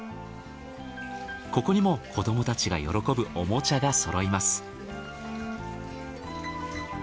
ここにも子どもたちが喜ぶおもちゃが揃います。